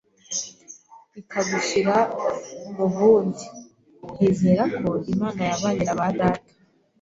ikagushyira mu bundi, nkizerako Imana yabanye na ba data